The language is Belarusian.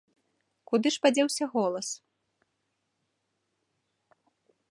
Куды ж падзеўся голас?